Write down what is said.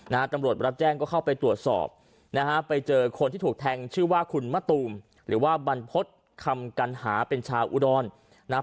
ตำรวจรับแจ้งก็เข้าไปตรวจสอบนะฮะไปเจอคนที่ถูกแทงชื่อว่าคุณมะตูมหรือว่าบรรพฤษคำกัณหาเป็นชาวอุดรนะฮะ